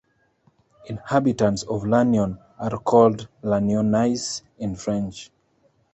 Inhabitants of Lannion are called "lannionnais" in French.